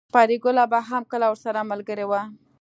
پريګله به هم کله ورسره ملګرې وه